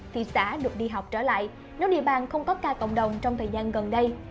thị xã được đi học trở lại nếu địa bàn không có ca cộng đồng trong thời gian gần đây